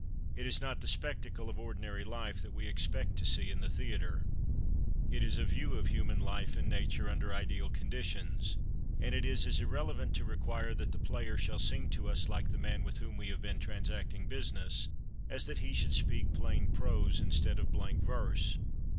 It is not the spectacle of ordinary life that we expect to see in the theatre. It is a view of human life and nature under ideal conditions, and it is as irrelevant to require that the player shall seem to us like the man with whom we have been transacting business as that he should speak plain prose instead of blank verse.